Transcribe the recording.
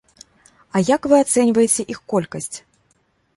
А як вы ацэньваеце іх колькасць?